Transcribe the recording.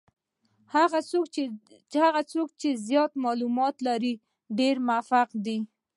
هغه څوک چې زیات معلومات لري ډېر موفق دي.